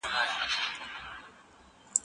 انسان به په راتلونکي کي د مځکي ساتنه کوي.